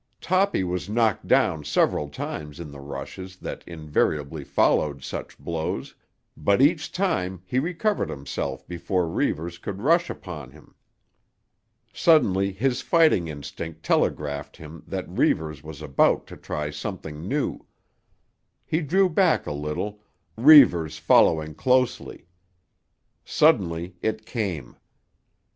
Toppy was knocked down several times in the rushes that invariably followed such blows, but each time he recovered himself before Reivers could rush upon him. Suddenly his fighting instinct telegraphed him that Reivers was about to try something new. He drew back a little, Reivers following closely. Suddenly it came.